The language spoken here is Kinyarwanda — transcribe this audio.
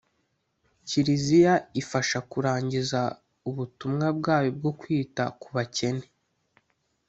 kiliziya ifasha kurangiza ubutumwa bwayo bwo kwita ku bakene